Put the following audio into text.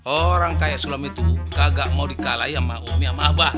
orang kaya sulam itu kagak mau dikalahi sama umi sama abah